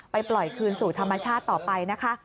ปล่อยคืนสู่ธรรมชาติต่อไปนะคะ